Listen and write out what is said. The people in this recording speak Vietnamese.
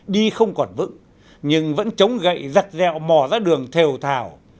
đi không còn vững nhưng vẫn chống gậy giặt dẹo mò ra đường thều thảo